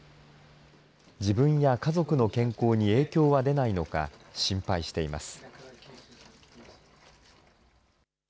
自分や家族の健康に影響は出ないのか心配しています。